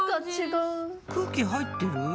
空気入ってる？